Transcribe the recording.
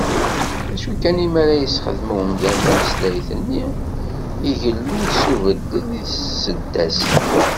D acu kan, mi ara yesexdam umdan tameslayt-nni, igellu-d s ubeddel deg tseddast.